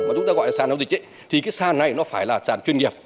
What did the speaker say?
mà chúng ta gọi là sản nông dịch thì cái sản này nó phải là sản chuyên nghiệp